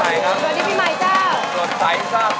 สวัสดีพี่ไมค์ครับ